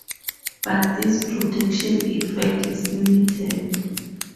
But this protection effect is limited.